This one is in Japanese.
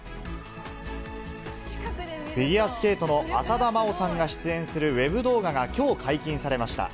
フィギュアスケートの浅田真央さんが出演するウェブ動画がきょう解禁されました。